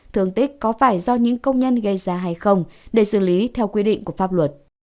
thương tích có phải do những công nhân gây ra hay không để xử lý theo quy định của pháp luật